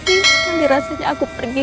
ini rasanya aku pergi